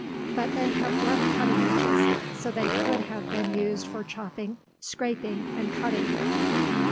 But they have rough cutting edges, so they could have been used for chopping, scraping, and cutting.